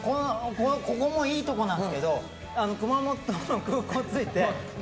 ここもいいとこなんですけど熊本の空港に着いて僕、